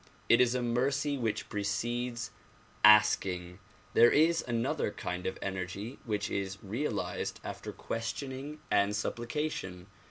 It is a mercy which precedes asking. There is another kind of mercy which is realized after questioning and supplication.